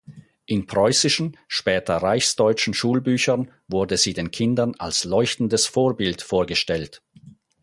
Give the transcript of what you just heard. In preußischen, später reichsdeutschen Schulbüchern wurde sie den Kindern als leuchtendes Vorbild vorgestellt.